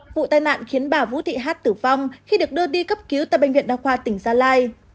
vụ tai nạn khiến bà vũ thị hát tử vong khi được đưa đi cấp cứu tại bệnh viện đa khoa tỉnh gia lai